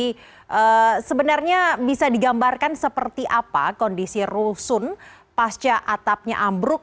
jadi sebenarnya bisa digambarkan seperti apa kondisi rusun pasca atapnya ambruk